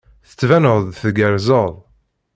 Tettbaneḍ-d tgerrzeḍ.